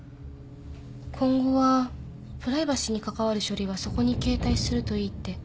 今後はプライバシーに関わる書類はそこに携帯するといいって。